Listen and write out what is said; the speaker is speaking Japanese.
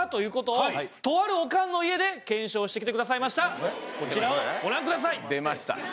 ホントにこちらをご覧ください。